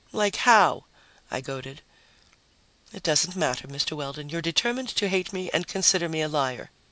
"Like how?" I goaded. "It doesn't matter, Mr. Weldon. You're determined to hate me and consider me a liar.